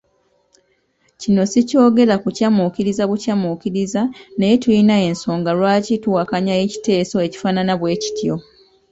Kino sikyogera kukyamuukiriza bukyamuukiriza naye tulina ensonga lwaki tuwakanya ekiteeso ekifaanana bwekityo.